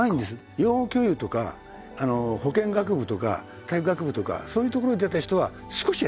養護教諭とか保健学部とか体育学部とかそういうところ出た人は少しやってますよ。